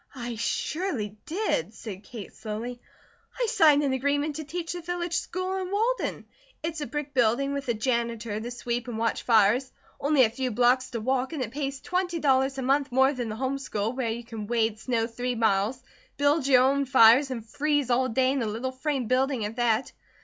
"I surely did," said Kate slowly. "I signed an agreement to teach the village school in Walden. It's a brick building with a janitor to sweep and watch fires, only a few blocks to walk, and it pays twenty dollars a month more than the home school where you can wade snow three miles, build your own fires, and freeze all day in a little frame building at that.